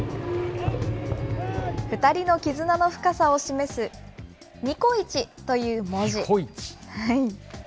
２人の絆の深さを示す、ニコイチという文字。